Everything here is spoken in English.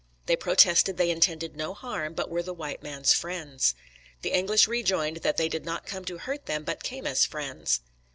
They protested they intended no harm, but were the white man's friends. The English rejoined that they did not come to hurt them, but came as friends.